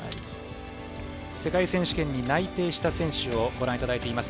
世界選手権に内定した選手をご覧いただいています。